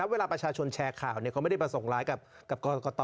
เวลาประชาชนแชร์ข่าวเขาไม่ได้ประสงค์ร้ายกับกรกต